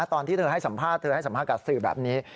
ตอนที่เธอให้สัมภาษณ์เธอให้สัมภาษณ์สื่อแบบนี้